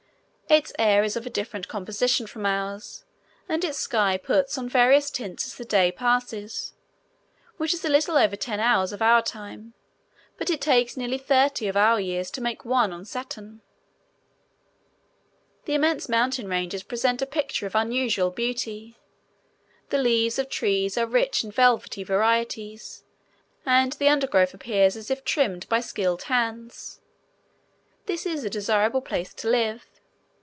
Its air is of a different composition from ours, and its sky puts on various tints as the day passes, which is a little over ten hours of our time, but it takes nearly thirty of our years to make one on Saturn. The immense mountain ranges present a picture of unusual beauty. The leaves of trees are rich in velvety varieties and the undergrowth appears as if trimmed by skilled hands. This is a desirable place to live.